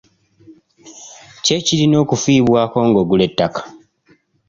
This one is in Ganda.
Ki ekirina okufiibwako ng'ogula ettaka?